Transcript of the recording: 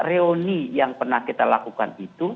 reuni yang pernah kita lakukan itu